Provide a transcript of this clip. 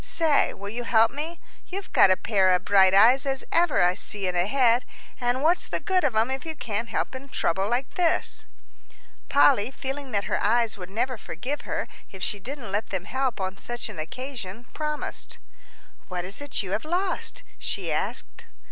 Say, will you help me? You've got a pair of bright eyes as ever I see in a head; and what's the good of 'em if you can't help in trouble like this?" Polly, feeling that her eyes would never forgive her if she didn't let them help on such an occasion, promised. "What is it you have lost?" she asked.